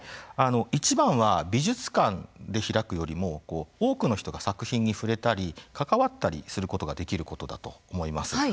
いちばんは美術館で開くよりも、多くの人が作品に触れたり関わったりすることができることだと思います。